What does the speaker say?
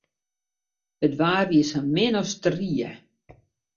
It waar wie sa min as strie.